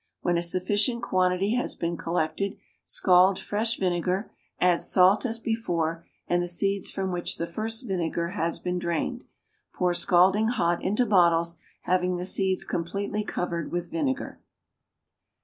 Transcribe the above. When a sufficient quantity has been collected, scald fresh vinegar, add salt as before, and the seeds from which the first vinegar has been drained. Pour scalding hot into bottles, having the seeds completely covered with vinegar.